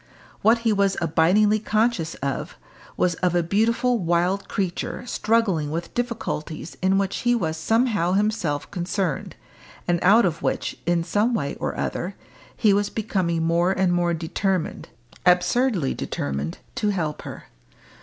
What he was abidingly conscious of, was of a beautiful wild creature struggling with difficulties in which he was somehow himself concerned, and out of which, in some way or other, he was becoming more and more determined absurdly determined to help her.